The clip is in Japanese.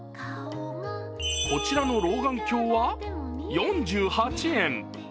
こちらの老眼鏡は４８円。